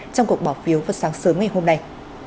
trong cuộc bỏ phiếu vào sáng sớm ngày hôm nay